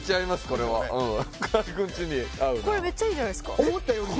これはうんこれめっちゃいいじゃないですか